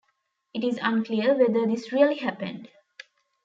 It is unclear whether this really happened.